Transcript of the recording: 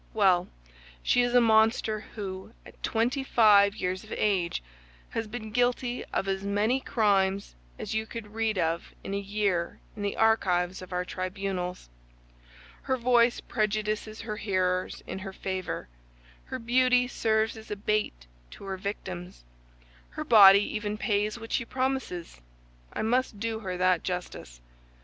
Well, she is a monster, who, at twenty five years of age, has been guilty of as many crimes as you could read of in a year in the archives of our tribunals. Her voice prejudices her hearers in her favor; her beauty serves as a bait to her victims; her body even pays what she promises—I must do her that justice.